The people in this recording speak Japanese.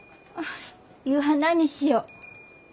夕飯何にしよう？